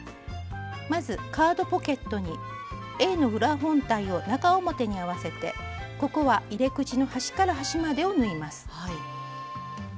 まずカードポケットにＡの裏本体を中表に合わせてここは入れ口の端から端までを縫います。